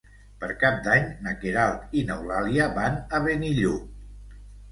Per Cap d'Any na Queralt i n'Eulàlia van a Benillup.